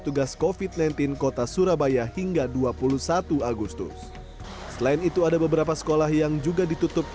tugas kofit sembilan belas kota surabaya hingga dua puluh satu agustus selain itu ada beberapa sekolah yang juga ditutup